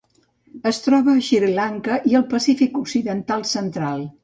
Es troba a Sri Lanka i el Pacífic occidental central.